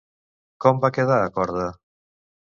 Com va quedar a corda?